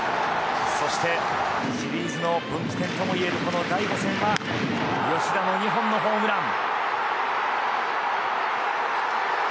そして、シリーズの分岐点ともいえる第５戦は吉田の２本のホームラン。